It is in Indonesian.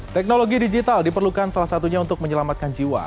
teknologi digital diperlukan salah satunya untuk menyelamatkan jiwa